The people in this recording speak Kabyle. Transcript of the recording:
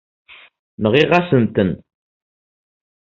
Nɣiɣ-asent-ten.